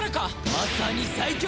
まさに最強！